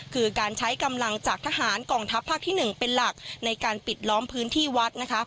คือการใช้กำลังจากทหารกองทัพภาคที่๑เป็นหลักในการปิดล้อมพื้นที่วัดนะคะ